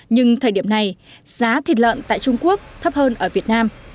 nhưng thời điểm này giá thịt lợn tại trung quốc thấp hơn ở việt nam